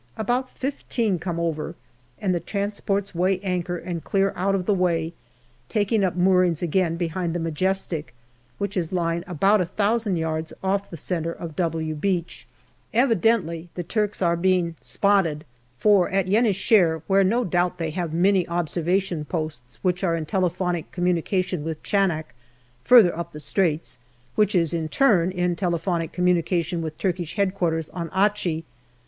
About fifteen come over, and the transports weigh anchor and clear out of the way, taking up moorings again behind the Majestic, which is lying about a thousand yards off the centre of " W " Beach. Evidently the Turks are being " spotted " for at Yen i Shehr, where no doubt they have many observation posts which are in telephonic communication with Chanak, further up the Straits, which in turn is in telephonic communi cation with Turkish H.Q. on Achi.